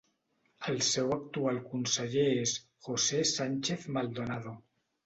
El seu actual conseller és José Sánchez Maldonado.